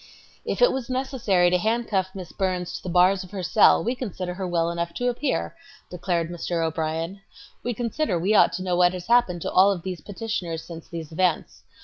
"If it was necessary to handcuff Miss Burns to the bars of her cell, we consider her well enough to appear," declared Mr. O'Brien. . "We consider we ought to know what has happened to all of these petitioners since these events.